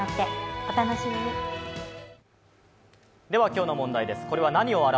今日の問題です。